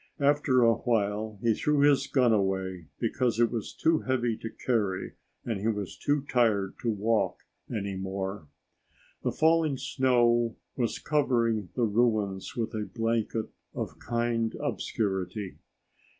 After a while he threw his gun away because it was too heavy to carry and he was too tired to walk any more. The falling snow was covering the ruins with a blanket of kind obscurity.